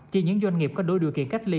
chỉ những doanh nghiệp có đối đuôi kiện cách ly